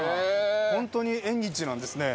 本当に縁日なんですね。